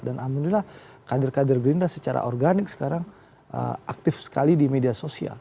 dan alhamdulillah kader kader gerindra secara organik sekarang aktif sekali di media sosial